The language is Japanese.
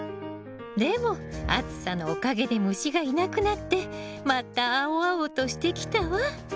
でも暑さのおかげで虫がいなくなってまた青々としてきたわ。